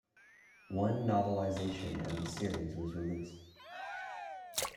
One novelisation of the series was released.